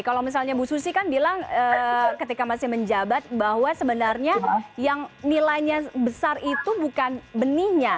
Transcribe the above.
kalau misalnya bu susi kan bilang ketika masih menjabat bahwa sebenarnya yang nilainya besar itu bukan benihnya